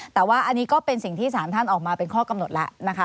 แต่ว่าอันนี้ก็เป็นสิ่งที่สารท่านออกมาเป็นข้อกำหนดแล้วนะคะ